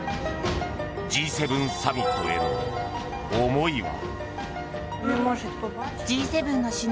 Ｇ７サミットへの思いは。